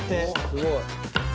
すごい。